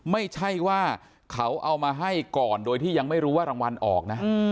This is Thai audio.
ไม่ใช่ว่าเขาเอามาให้ก่อนโดยที่ยังไม่รู้ว่ารางวัลออกนะ